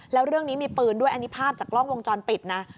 แล้วเรื่องนี้มีปืนด้วยอันนี้ภาพจากกล้องวงจรปิดนะ